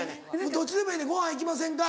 どっちでもええねん「ごはん行きませんか？」。